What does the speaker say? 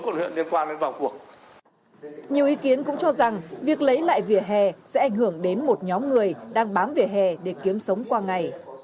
nhiều ý kiến cũng cho rằng việc lấy lại vỉa hè sẽ ảnh hưởng đến một nhóm người đang bám vỉa hè để kiếm sống qua ngày